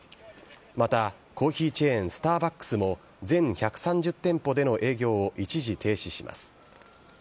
またコーヒーチェーン、スターバックスも全１３０店舗での営業を一時停止します。